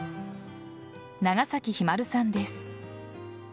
永崎ひまるさんです。